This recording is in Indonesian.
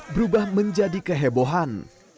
berubah menjadi kehebohan